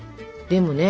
でもね